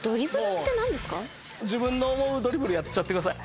自分の思うドリブルやっちゃってください。